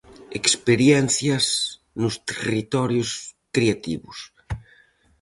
Experiencias nos territorios creativos.